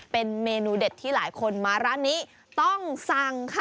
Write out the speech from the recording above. เป็นเมนูเด็ดที่หลายคนมาร้านนี้ต้องสั่งค่ะ